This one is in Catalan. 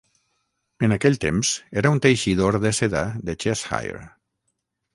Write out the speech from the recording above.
En aquell temps, era un teixidor de seda de Cheshire.